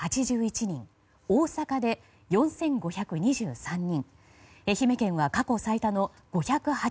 大阪で４５２３人愛媛県は過去最多の５８２人